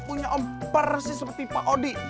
punya om persis seperti pak odi